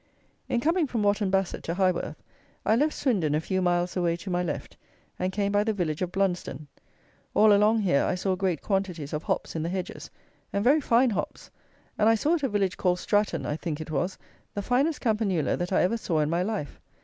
In coming from Wotton Basset to Highworth, I left Swindon a few miles away to my left, and came by the village of Blunsdon. All along here I saw great quantities of hops in the hedges, and very fine hops, and I saw at a village called Stratton, I think it was, the finest campanula that I ever saw in my life.